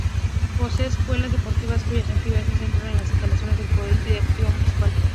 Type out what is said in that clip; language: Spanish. Posee escuelas deportivas cuyas actividades se centran en las instalaciones del polideportivo municipal.